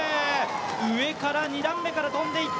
上から、２段目から跳んでいった。